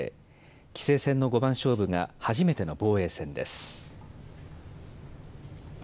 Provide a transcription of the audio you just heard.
棋聖戦の五番勝負が初めての防衛戦です。